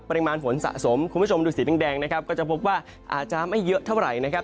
ปริมาณฝนสะสมคุณผู้ชมดูสีแดงนะครับก็จะพบว่าอาจจะไม่เยอะเท่าไหร่นะครับ